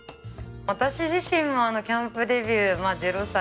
私自身はキャンプデビュー０歳。